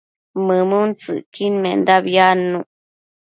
mëmuntsëcquidmendabi adnuc